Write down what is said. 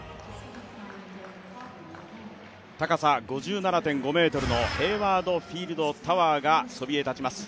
高さ５７．５ｍのヘイワード・フィールドタワーがそびえ立ちます。